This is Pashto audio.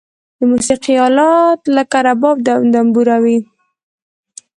د موسیقی آلات لکه رباب او دمبوره و.